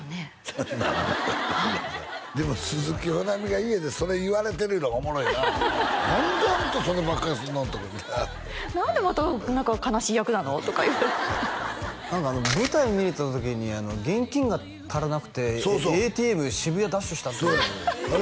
そりゃならないわなでも鈴木保奈美が家でそれ言われてるいうのがおもろいな「何であんたそればっかりすんの」とか何でまた悲しい役なの？とか言われて舞台を見に行った時に現金が足らなくてＡＴＭ渋谷ダッシュしたっていうああ！